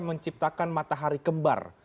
menciptakan matahari kembar